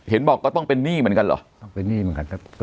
เห็นบอกก็ต้องเป็นหนี้เหมือนกันเหรอต้องเป็นหนี้เหมือนกันครับ